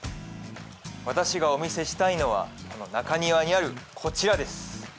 私がお見せしたいのは中庭にあるこちらです。